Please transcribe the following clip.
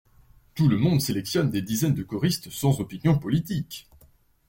Tout le monde sélectionne des dizaines de choristes sans opinions politiques!